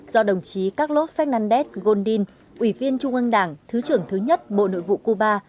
do đồng chí carlos fernandez goldin ủy viên trung ương đảng thứ trưởng thứ nhất bộ nội vụ cuba